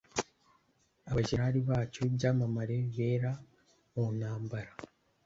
abajenerali bacu b'ibyamamare bera mu ntambara